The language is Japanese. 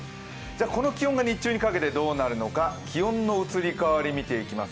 この気温が日中にかけてどうなるのか、気温の移り変わり見ていきます。